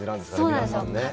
そうなんですよ。